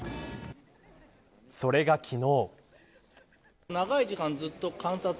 それが昨日。